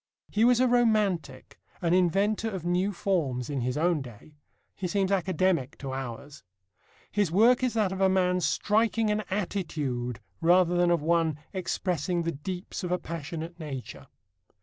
He was a romantic, an inventor of new forms, in his own day. He seems academic to ours. His work is that of a man striking an attitude rather than of one expressing the deeps of a passionate nature.